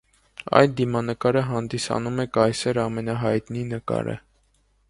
Այդ դիմանկարը հանդիսանում է կայսեր ամենահայտնի նկարը։